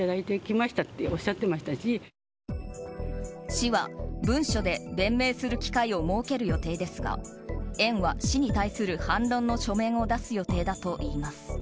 市は文書で弁明する機会を設ける予定ですが園は市に対する反論の書面を出す予定だといいます。